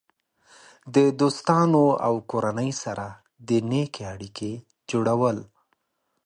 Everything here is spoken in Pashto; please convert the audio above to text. د دوستانو او کورنۍ سره د نیکې اړیکې جوړول.